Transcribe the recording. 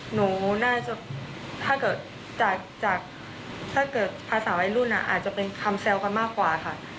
หนูน่าจะถ้าเกิดจากถ้าเกิดภาษาวัยรุ่นอาจจะเป็นคำแซวกันมากกว่าค่ะ